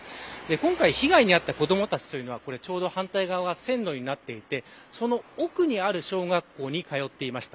今回、被害に遭った子どもたちはちょうど反対側は線路になっていてその奥にある小学校に通っていました。